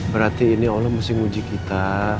berarti ini allah mesti nguji kita